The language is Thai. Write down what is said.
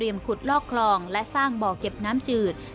ขุดลอกคลองและสร้างบ่อเก็บน้ำจืด